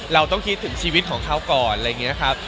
เราต้องคิดถึงชีวิตของเขาก่อนอะไรอย่างนี้นะครับ